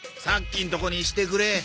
さっきのとこにしてくれ。